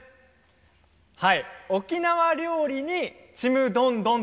「沖縄料理に“ちむどんどん”」。